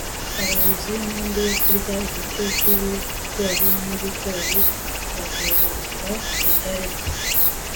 abayobozi b'inkambi yo kurya ibiryo by'ibigori n'ibigori, bagarura igare rye